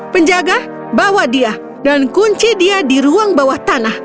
penjaga bawa dia dan kunci dia di ruang bawah tanah